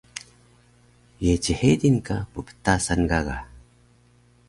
Ye chedil ka pptasan gaga?